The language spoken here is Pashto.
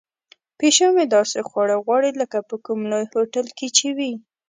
پیشو مې داسې خواړه غواړي لکه په کوم لوی هوټل کې چې وي.